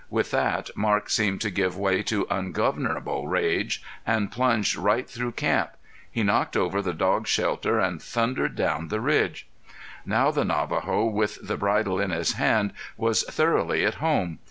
With that Marc seemed to give way to ungovernable rage and plunged right through camp; he knocked over the dogs' shelter and thundered down the ridge. Now the Navajo, with the bridle in his hand was thoroughly at home.